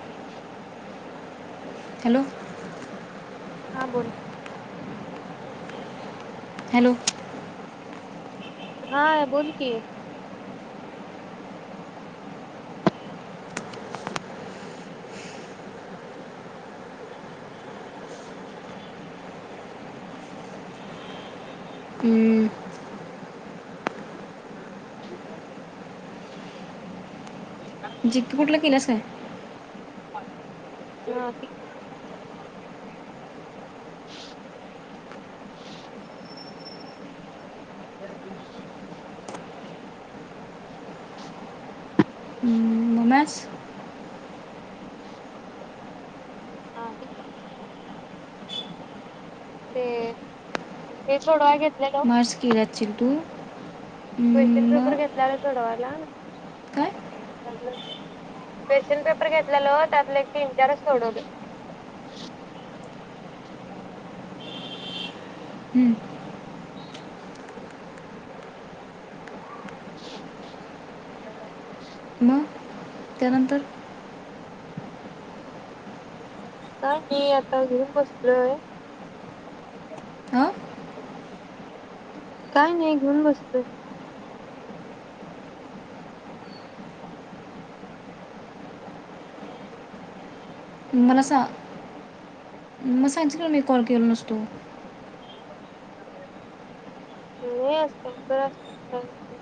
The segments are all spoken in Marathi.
[inaudible] हॅलो! हां बोल हॅलो हा बोल कि [inaudible] जिकपुटला किल्यास काय? ह [inaudible] [inaudible] [inaudible] [inaudible] नमाज हा [inaudible] ते, हे सोडवाय गे [inaudible] सिद्धू! क्वेशन पेपर घेतल्याला सोडवायला.... काय क्वेशन पेपर घेतलेलं त्यातले एक तीन चारचं सोडवलोय हम्म, ह मग [inaudible] त्यानंतर काय नाही आता घेऊन बसलोय हां काय नाही घेऊन बसलोय मला सा मग सांगशील कीने कॉल केलो नसतो खुळी हाईस का काय काय पण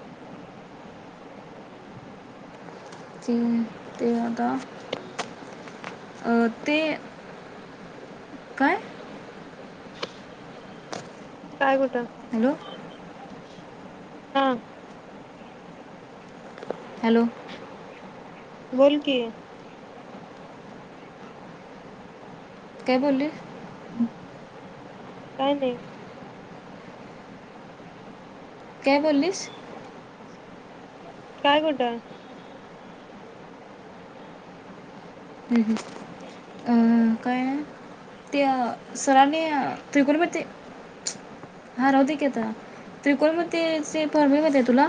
ते आता अ ते काय? काय कुठ हॅलो! हा हॅलो! बोल कि काय बोलले?? काय नाही काय बोललीस? काय कुठं हम्म हम्म अ काय न त्या सरांनी त्रिगोनमती हा राहूदे की आता त्रिकोण म तेच ते फॉर्मुला येतय तुला?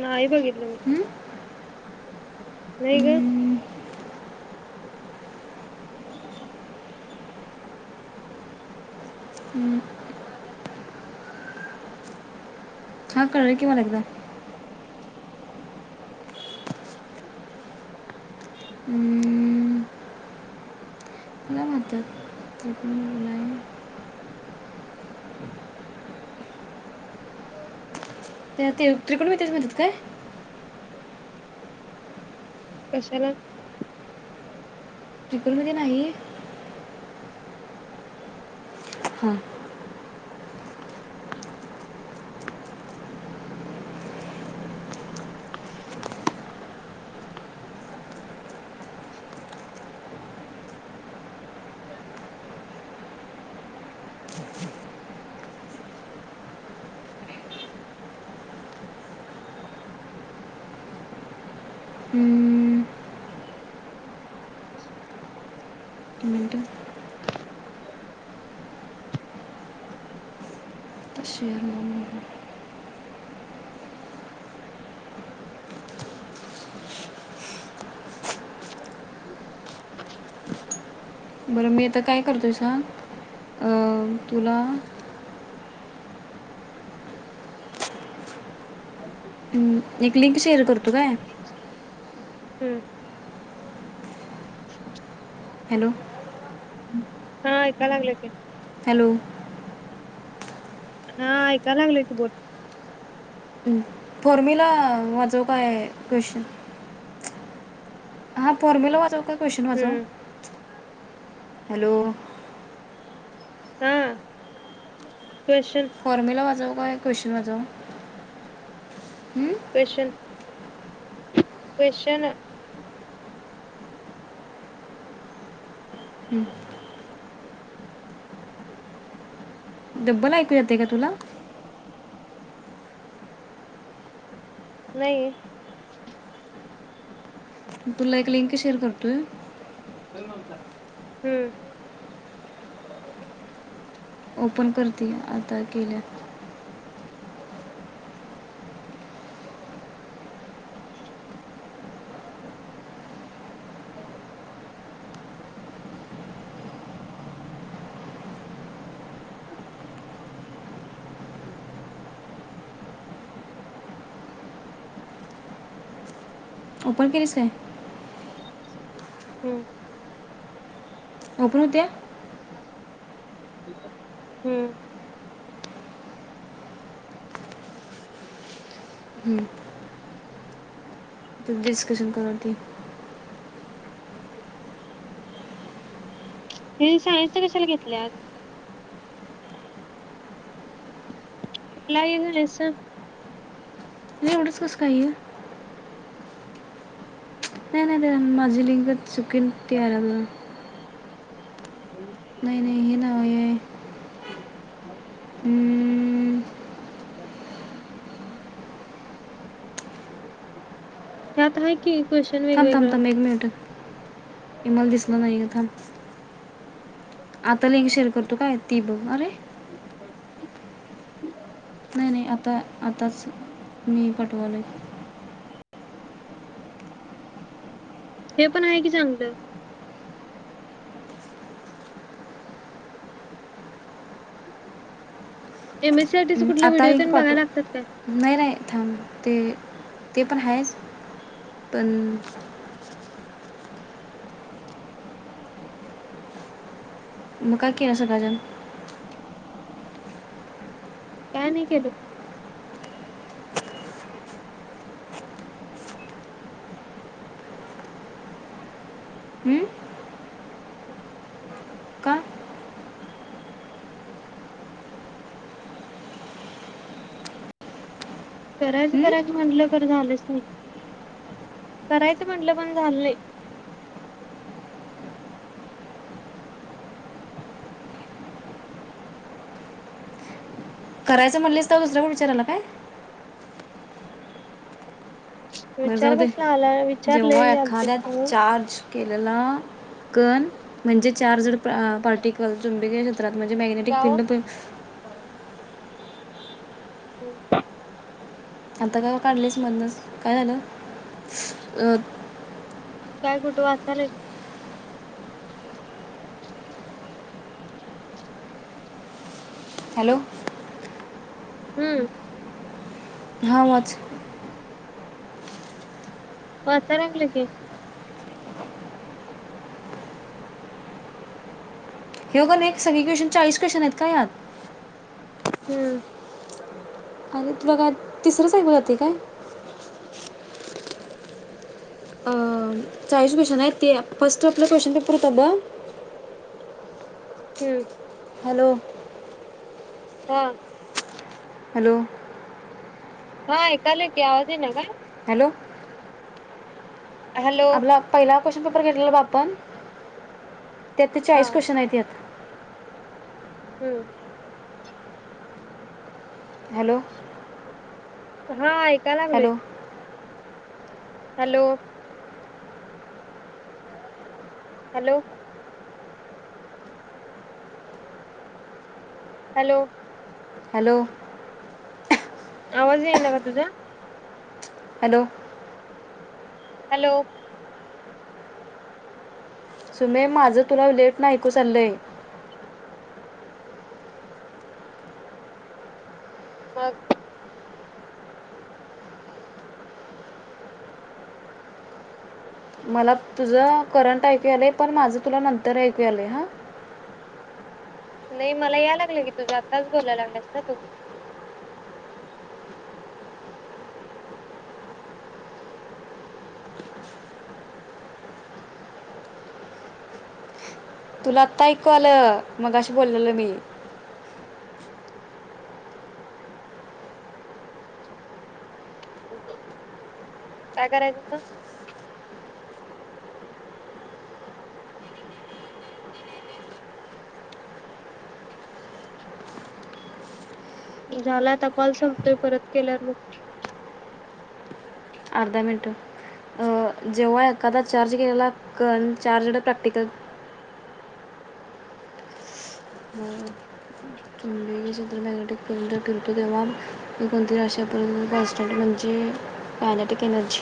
नाही बघीतल मी. हम्म? नाई ग हम्म, [unintelligible] हा कळ की मला एकदा. हम्म, काय म्हणतात त्रिकोणमिती ते ते त्रिकोणमितीच म्हणत्यात काय? कशाला त्रिकोणमिती नाई हा हम्म, एक मिनटं आता [unintelligible] शेअर मग. [inaudible] बरं मी आता काय करतोय सांग अ तुला [unintelligible] हम् एक लिंक शेअर कर व्हय. हम्म हॅलो हम्म हम हा ऐका लागले की. हॅलो हा ऐका लागली कि तू बोल. हम्म फॉर्मिला वाजऊ काय क्वेशन? हा फॉर्मिला वाचू का? क्वेशन वाचू? हम्म हॅलो हं फॉर्मिला वाजव व्हय क्वेशन वाजव हु क्वेशन क्वेश्चनं हम्म. डब्बल ऐकू येतय का तुला? नाई तुला एक लिंक शेअर करतोय हम्म ओपन करतील आता केल्या. [inaudible] ओपन केलीस काय? हम्म ओपन हुत्या? हम्म हम्म ती डिस्कशन करुया की हे शाळेच कशाला घेतल्यात - - [unintelligible] नाही एवढंच कसं काय ह्य नाय नाय [unintelligible] माझी लिंगत चुकीन ते आलं हं - - [inaudible] हे नाव आहे हम्म, [inaudible] हा त्यात हाय की क्वेश्चन थांब थांब वेगवेगळं थांब एक मिनिट ये मला दिसलं नाहीय थांब [unintelligible] रतो काय ती बघ अरे ब [unintelligible] नाही नाही आता आताच [inaudible] मी पटवालोय हे पण हाय की चागलं एमएसीआटीच कुठल व्हिडिओ तन बघाय लागातात काय? थांबते ते पण हाहेच पण मग काय केलं सकाळच्यान काय नाय केलो [unintelligible] हं? का करायच हं? करायच म्हटलं खर झालच नाही करायच म्हटलं पण झाल नाई करायच म्हणलीस तव दुसर कोण विचारालय काय? बरं विचार जाऊ दे कसला आलाय विचार जेव्हा लय आलतेच एखाद्या [unintelligible] चार्ज केलेला कण म्हणजे चार जड काय पार्टिकल चुंब [unintelligible] [unintelligible] म्हणजे मॅग्नेटिक ओ फिंड पण हम्म आता का काढलयस मदनच काय झालं अ - - काय कुठं वाचालाइस हॅलो हम्म हा वाच वाचाय [unintelligible] की ह्यो कनी एक सगळी क्वेशन चाळीस क्वेशन आहेत का यात हंम्म अरे तुला काय तिसरंच ऐकू येतय काय? अ, चाळीस [unintelligible] क्वेशन आहेत ते फर्स्ट आपला क्वेश्चन पेपर होता ब हम्म हलो हा [unintelligible] हॅलो.. हाय ऐकालोय की आवाज येईना काय? हॅलो! हॅलो आपला पहिला क्वेशन पेपर घेतलेला ब आपण. त्यातले हा चाळीस क्वेश्चन हायती हयात. हम्म! हॅलो [inaudible] हा.. ऐका लागलोय. Hello hello.. hello! [unintelligible] Hello hello! आवाज येईना का तुझा? Hello hello! सुमे माझं तुला लेट न ऐकू चालयं. मग मला तुझं करंट ऐकू यायलय, पण माझं तुला नंतर ऐकू यायलय हा. नाही मला या लागलं की, तुझा आत्ताच बोलायला लागलास ना तू. [inaudible] तुला आत्ता ऐकू आलं, मग शी बोललेलं मी. काय करायच तुझ? झाला आता कॉल संपतोय परत केल्यावर मग. अर्धा मिनट अ जेव्हा एखादा चार्ज घ्यायला. [unintelligible] चार्जंड [unintelligible] [unintelligible] [unintelligible] तेव्हा कोणती आशा [unintelligible] बस स्टॅन्ड म्हणजे? कॅयाटिक एनर्जी